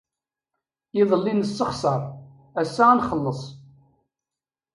Iḍelli nessexṣer, ass-a ad nxelleṣ.